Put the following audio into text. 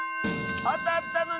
あたったのに！